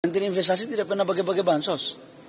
menteri investasi tidak pernah pakai pakai bansos